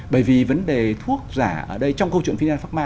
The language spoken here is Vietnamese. bởi vì vấn đề thuốc giả ở đây trong câu chuyện phinan pháp ma